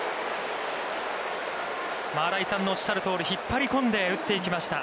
新井さんのおっしゃるとおり、引っ張り込んで打っていきました。